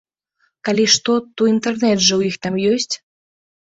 Калі што, то інтэрнэт жа ў іх там ёсць?